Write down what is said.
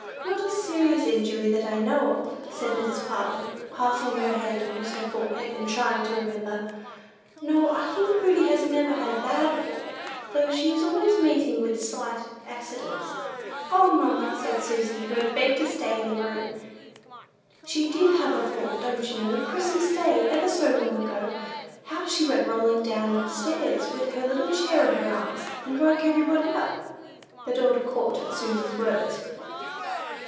"Not a serious injury that I know of," said Mrs. Parlin, passing her hand across her forehead, and trying to remember. "No, I think Prudy has never had a bad fall, though she is always meeting with slight accidents." "O, mamma," said Susy, who had begged to stay in the room, "she did have a fall: don't you know, Christmas day, ever so long ago, how she went rolling down stairs with her little chair in her arms, and woke everybody up?" The doctor caught at Susy's words.